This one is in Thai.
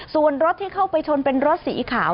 ส่วนรถที่เข้าไปชนเป็นรถสีขาว